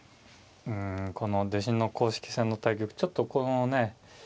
うんこの弟子の公式戦の対局ちょっとこのね